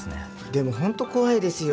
でもホント怖いですよ。